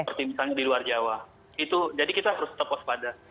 seperti misalnya di luar jawa jadi kita harus tepos pada